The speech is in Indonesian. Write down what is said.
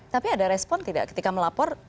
tapi ada respon tidak ketika melapor